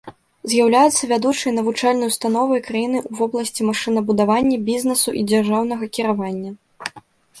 З'яўляецца вядучай навучальнай установай краіны ў вобласці машынабудавання, бізнесу і дзяржаўнага кіравання.